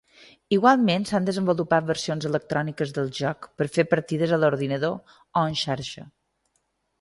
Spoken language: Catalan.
Igualment, s'han desenvolupat versions electròniques del joc per fer partides a l'ordinador o en xarxa.